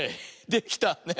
できたね。